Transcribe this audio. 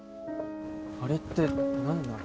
あれって何なの？